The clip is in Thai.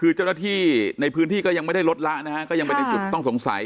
คือเจ้าหน้าที่ในพื้นที่ก็ยังไม่ได้ลดละนะฮะก็ยังไปในจุดต้องสงสัย